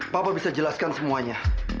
papa bisa jelaskan semuanya